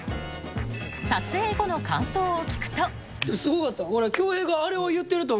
撮影後の感想を聞くと恭平が。